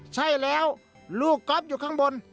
ใช่แล้วลูกก๊อฟอยู่ข้างบน